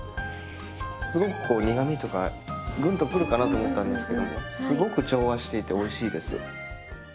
すごくこう苦みとかグンとくるかなと思ったんですけどもすごく調和していておいしいです。